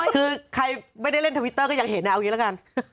คือใครไม่ได้เล่นทวิตเตอร์ก็ยังเห็นเอาอย่างนี้ละกัน